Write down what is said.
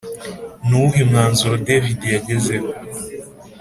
Ni uwuhe mwanzuro David yagezeho